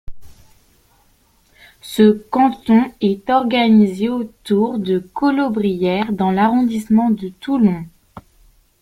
Ce canton est organisé autour de Collobrières dans l'arrondissement de Toulon.